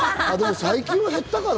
最近は減ったかな。